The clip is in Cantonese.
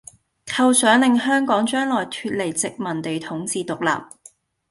構想令香港將來脫離殖民地統治獨立